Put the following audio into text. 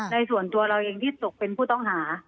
ในส่วนตัวเราเองที่ตกเป็นผู้ต้องหา